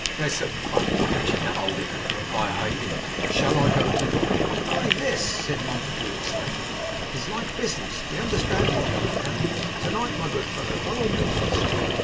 'There's some fun in catching that old hypocrite. I hate him. Shall I go to night?' 'Aye! This,' said Montague, ecstatically, 'is like business! We understand each other now! To night, my good fellow, by all means.